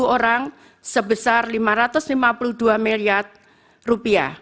seratus orang sebesar rp lima ratus lima puluh dua